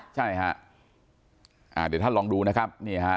ใช่ครับเดี๋ยวท่านลองดูนะครับ